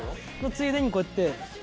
ついでにこうやって。